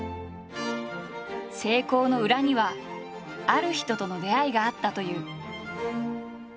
成功の裏にはある人との出会いがあったという。